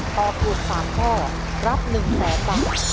ตอบถูก๓ข้อรับ๑๐๐๐๐๐บาท